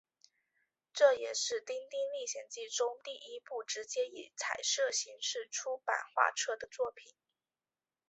这也是丁丁历险记中第一部直接以彩色形式出版画册的作品。